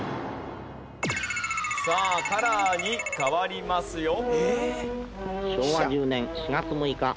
さあカラーに変わりますよ。